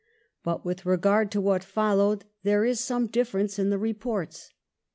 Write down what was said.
But with regard to what followed there is some dijQTerence in the reports.